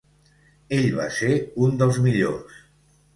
Ell va ser un dels millors.